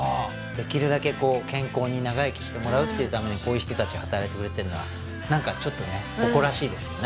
できるだけこう健康に長生きしてもらうっていうためにこういう人達が働いてくれてるのは何かちょっとね誇らしいですよね